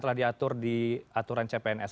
telah diatur di aturan cpns